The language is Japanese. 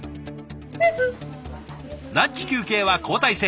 ランチ休憩は交代制。